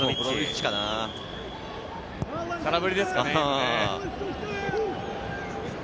空振りですかね？